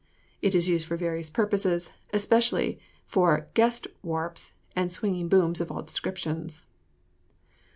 It is used for various purposes, especially for guest warps and swinging booms of all descriptions.